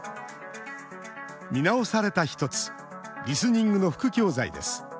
見直された一つリスニングの副教材です。